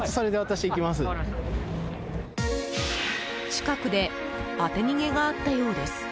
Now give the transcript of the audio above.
近くで当て逃げがあったようです。